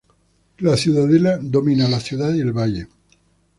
La Ciudadela domina la ciudad y el valle.